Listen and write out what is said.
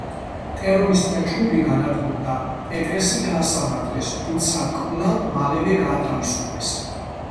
ტერორისტთა ჯგუფი განადგურდა, პეტერსი გაასამართლეს, თუმცა კვლავ მალევე გაათავისუფლეს.